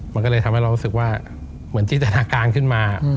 มันก็เลยทำให้เรารู้สึกว่าเหมือนจินตนาการขึ้นมา